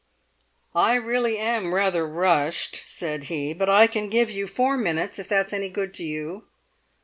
"I really am rather rushed," said he; "but I can give you four minutes, if that's any good to you."